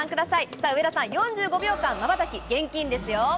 さあ、上田さん、４５秒間、まばたき厳禁ですよ。